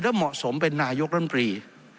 และเหมาะสมเป็นนายกรัฐมนตรี